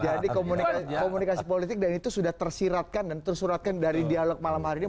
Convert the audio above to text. jadi komunikasi politik dan itu sudah tersiratkan dan tersuratkan dari dialog malam hari ini